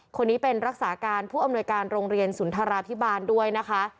คนนี้เป็นรักษาการผู้อำนวยการโรงเรียนสุนทราพิบาลด้วยนะคะ